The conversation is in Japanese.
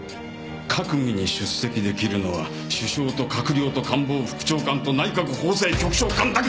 閣議に出席できるのは首相と閣僚と官房副長官と内閣法制局長官だけだ！